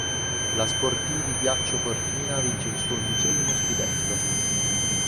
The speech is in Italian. La Sportivi Ghiaccio Cortina vince il suo undicesimo scudetto.